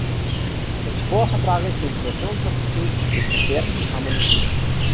Das vorvertragliche Informationspaket wird gestärkt und harmonisiert.